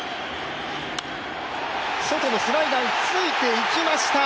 外のスライダーについていきました。